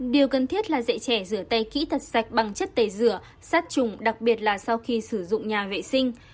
điều cần thiết là dạy trẻ rửa tay kỹ thuật sạch bằng chất tẩy rửa sát trùng đặc biệt là sau khi sử dụng nhà vệ sinh